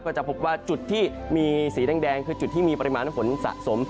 จะพบว่าจุดที่มีสีแดงคือจุดที่มีปริมาณฝนสะสม